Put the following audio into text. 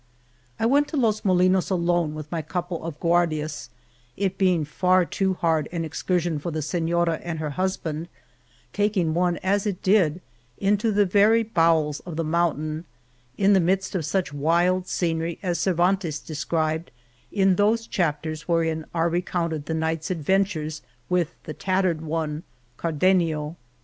I went to Los Molinos alone with my couple of Guardias, it being far too hard an excursion for the Seiiora and her husband — taking one as it did into the very bow els of the mountain," in the midst of such wild scenery as Cervantes described in those chapters wherein are recounted the knight's adventures with the Tattered One, Car denio.